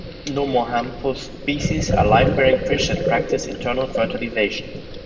"Nomorhamphus" species are livebearing fish that practise internal fertilisation.